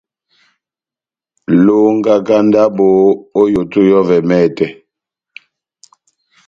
Longaka ndabo ό yoto yɔ́vɛ mɛtɛ.